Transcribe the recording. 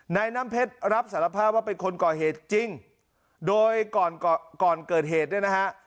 น้ำเพชรรับสารภาพว่าเป็นคนก่อเหตุจริงโดยก่อนก่อนเกิดเหตุเนี่ยนะฮะ